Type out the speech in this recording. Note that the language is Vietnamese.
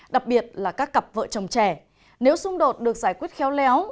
đặc biệt là các cặp vợ chồng trẻ nếu xung đột được giải quyết khéo léo